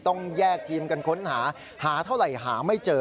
ต้องแยกทีมกันค้นหาหาเท่าไหร่หาไม่เจอ